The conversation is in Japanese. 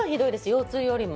腰痛よりも。